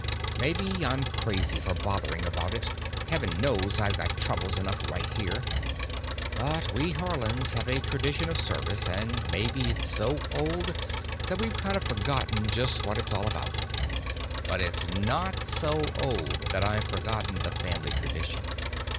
Maybe I'm crazy for bothering about it—heaven knows, I've got troubles enough right here—but we Haarlands have a tradition of service, and maybe it's so old that we've kind of forgotten just what it's all about. But it's not so old that I've forgotten the family tradition.